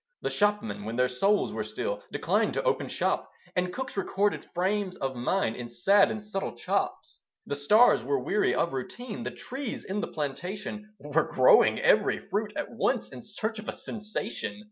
The Shopmen, when their souls were still, Declined to open shops And Cooks recorded frames of mind In sad and subtle chops. The stars were weary of routine: The trees in the plantation Were growing every fruit at once, In search of a sensation.